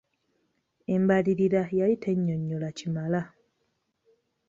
Embalirira yali tennyonyola kimala.